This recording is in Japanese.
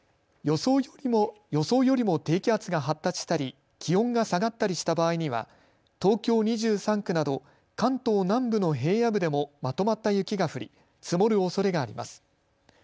予想よりも低気圧が発達したり気温が下がったりした場合には東京２３区など関東南部の平野部でもまとまった雪が降り積もるおそれがあります。